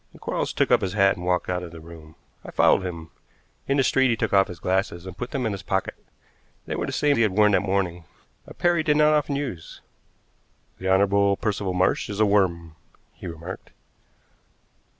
And Quarles took up his hat and walked out of the room. I followed him. In the street he took off his glasses and put them in his pocket. They were the same he had worn that morning a pair he did not often use. "The Honorable Percival Marsh is a worm," he remarked.